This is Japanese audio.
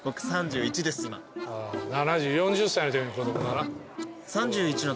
４０歳のときの子供だな。